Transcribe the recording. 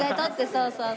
そうそう。